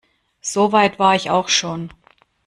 So weit war ich auch schon.